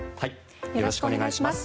よろしくお願いします。